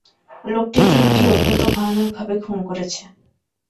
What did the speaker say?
লোকটি তিনটি অত্যন্ত ভয়ানকভাবে খুন করেছে।